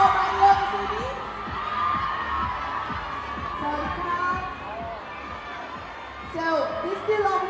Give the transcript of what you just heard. ขอบคุณมากสวัสดีครับ